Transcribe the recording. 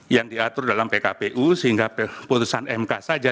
yang diatur dalam pkpu sehingga putusan mk saja